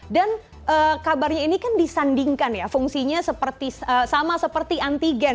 dan kabarnya ini kan disandingkan ya fungsinya sama seperti antigen